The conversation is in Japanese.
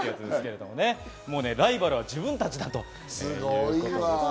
ライバルは自分たちだということです。